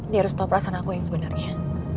dia harus tahu perasaan aku yang sebenarnya